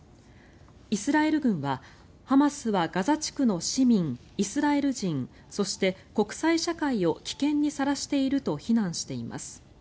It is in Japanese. イスラエル軍はハマスはガザ地区の市民、イスラエル人そして国際社会を危険にさらしていると非難しています。